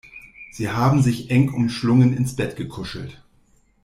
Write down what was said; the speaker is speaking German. Sie haben sich eng umschlungen ins Bett gekuschelt.